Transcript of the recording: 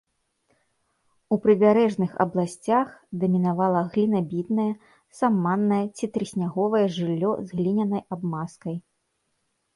У прыбярэжных абласцях дамінавала глінабітнае, саманнае ці трысняговае жыллё з глінянай абмазкай.